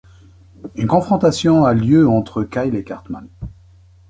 Une confrontation a lieu entre Kyle et Cartman.